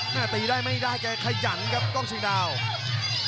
ตีได้ไม่ได้แกขยันครับกล้องเชียงดาว